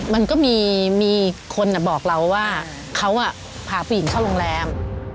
มันก็มีคนบอกเราว่าเขาพาผู้หญิงเข้าโรงแรม